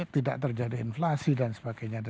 tidak terjadi inflasi dan sebagainya